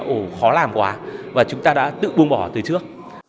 ủ khó làm quá và chúng ta đã tự buông bỏ từ trước